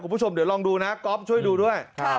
คุณผู้ชมเดี๋ยวลองดูนะก๊อฟช่วยดูด้วย